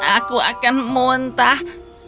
aku akan muntah